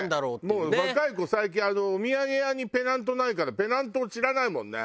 もう若い子最近お土産屋にペナントないからペナントを知らないもんね。